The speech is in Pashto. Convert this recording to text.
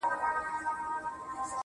چې څه یو لوی غم یې په زړه کې دفن و